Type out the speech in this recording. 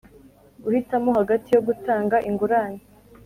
Guhitamo hagati yo gutanga ingurane